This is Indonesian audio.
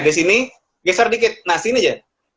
di sini geser dikit nah sini aja